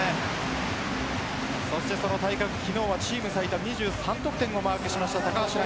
そしてその対角昨日はチーム最多２３得点をマークした高橋藍。